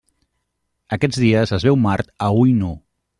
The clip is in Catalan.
Aquests dies es veu Mart a ull nu.